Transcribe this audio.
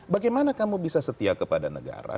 bagaimana kamu bisa setia kepada negara